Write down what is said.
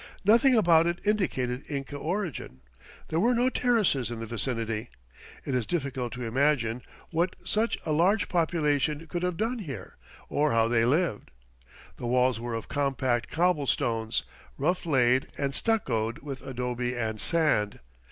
Nothing about it indicated Inca origin. There were no terraces in the vicinity. It is difficult to imagine what such a large population could have done here, or how they lived. The walls were of compact cobblestones, rough laid and stuccoed with adobe and sand.